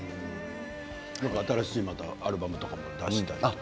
新しいアルバムとかも出したりとか？